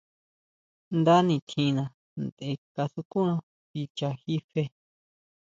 Nda nitjína tʼen kasukuna kicha jí fe.